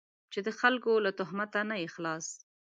چې له خلکو له تهمته نه یې خلاص.